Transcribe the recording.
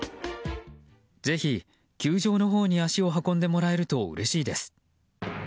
ぜひ、球場のほうに足を運んでもらえるとうれしいです。